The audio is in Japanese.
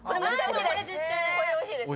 これおいしいです。